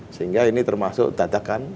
sehingga ini termasuk dadakan